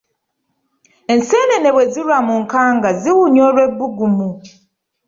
Enseenene bwe zirwa mu nkanga ziwunya olw’ebbugumu.